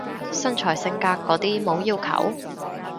身材性格嗰啲冇要求？